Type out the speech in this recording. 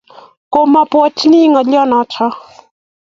Kamo pwotchini ngoliot notok